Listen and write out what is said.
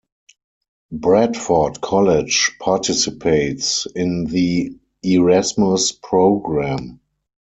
Bradford College participates in the Erasmus Programme.